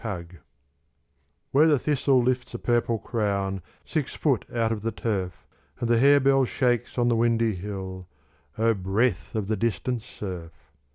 DAISY Where the thistle lifts a purple crown Six foot out of the turf, And the harebell shakes on the windy hill O breath of the distant surf!